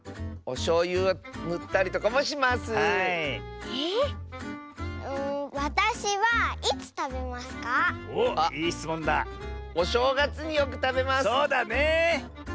そうだね！